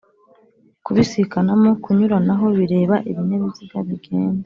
kubisikanamo kunyuranaho bireba Ibinyabiziga bigenda